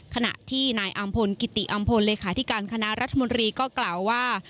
ขณะที่หนัยอำพลรัฐมนตรีก็กล่าวว่า